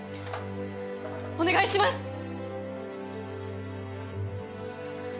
お願いします。